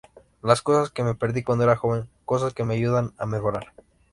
Las cosas que me perdí cuando era joven, cosas que me ayudan a mejorar.